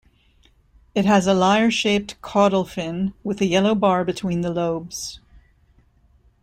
It has a lyre shaped caudal fin with a yellow bar between the lobes.